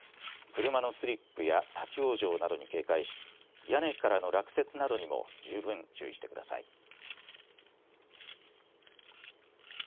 車のスリップや立往生などに警戒し屋根からの落雪などにも十分注意してください。